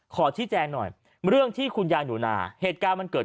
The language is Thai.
ขอชี้แจงหน่อยเรื่องที่คุณยายหนูนาเหตุการณ์มันเกิด